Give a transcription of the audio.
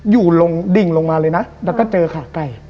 อยู่ลงดิ่งลงมาเลยนะแล้วก็เจอขาไก่